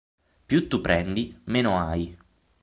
Più tu prendi meno hai.